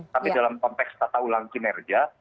tapi dalam konteks tata ulang kinerja